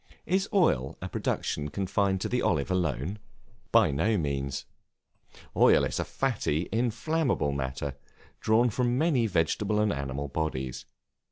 Is oil a production confined to the Olive alone? By no means. Oil is a fatty, inflammable matter, drawn from many vegetable and animal bodies.